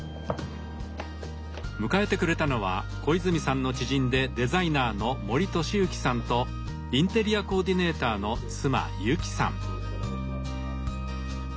迎えてくれたのは小泉さんの知人でデザイナーの森俊之さんとインテリアコーディネーターの妻由紀さん。